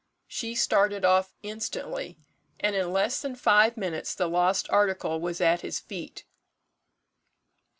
She started off instantly, and in less than five minutes the lost article was at his feet.